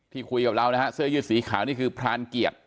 คุยกับเรานะฮะเสื้อยืดสีขาวนี่คือพรานเกียรติ